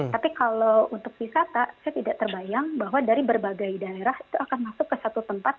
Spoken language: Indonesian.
tapi kalau untuk wisata saya tidak terbayang bahwa dari berbagai daerah itu akan masuk ke satu tempat